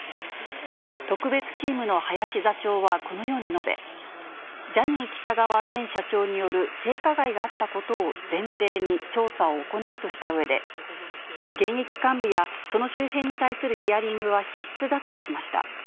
特別チームの林座長はこのように述べ、ジャニー喜多川前社長による性加害があったことを前提に調査を行うとしたうえで、現役幹部やその周辺に対するヒアリングは必須だとしました。